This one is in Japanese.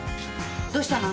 どうしたの？